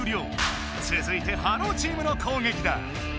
つづいて「ｈｅｌｌｏ，」チームの攻撃だ！